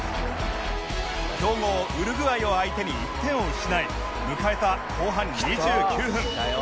強豪ウルグアイを相手に１点を失い迎えた後半２９分